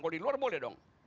kalau di luar boleh dong